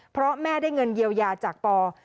เพราะแม่ได้เงินเยียวยาจากปอ